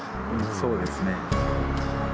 そうですね。